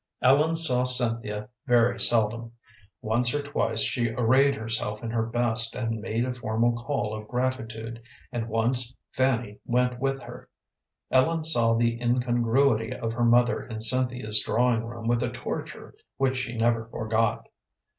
Ellen saw Cynthia very seldom. Once or twice she arrayed herself in her best and made a formal call of gratitude, and once Fanny went with her. Ellen saw the incongruity of her mother in Cynthia's drawing room with a torture which she never forgot.